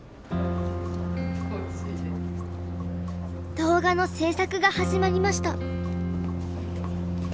動画の制作が始まりました。